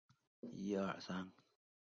珞珈碘泡虫为碘泡科碘泡虫属的动物。